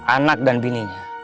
anak dan bininya